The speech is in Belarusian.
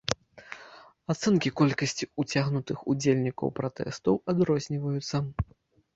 Ацэнкі колькасці уцягнутых удзельнікаў пратэстаў адрозніваюцца.